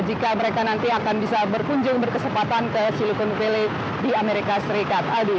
jika mereka nanti akan bisa berkunjung berkesempatan ke silicon valley di amerika serikat